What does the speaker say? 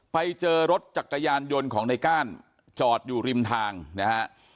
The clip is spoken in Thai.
ไปเจอรถจักรยานยนต์ของในก้านจอดอยู่ริมทางนะฮะ